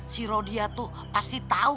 si rodia tuh pasti tahu